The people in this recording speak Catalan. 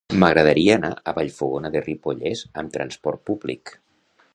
M'agradaria anar a Vallfogona de Ripollès amb trasport públic.